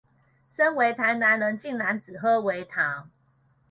身為台南人竟然只喝微糖